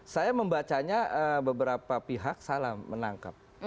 saya membacanya beberapa pihak salah menangkap